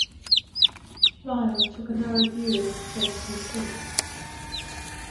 Ryle took a narrow view of the scope of his field.